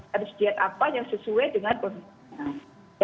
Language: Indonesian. harus diet apa yang sesuai dengan kondisinya